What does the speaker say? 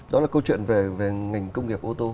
đó là câu chuyện về ngành công nghiệp ô tô